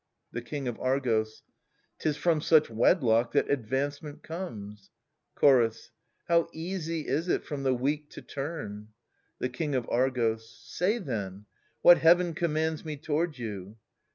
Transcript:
The King of Argos. 'Tis from such wedlock that advancement comes. Chorus. How easy is it, from the weak to turn ! The King of Argos. Say then, what Heaven commands me toward you.